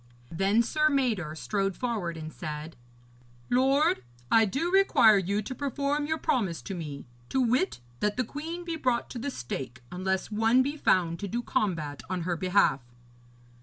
Then Sir Mador strode forward and said: 'Lord, I do require you to perform your promise to me, to wit, that the queen be brought to the stake, unless one be found to do combat on her behalf.'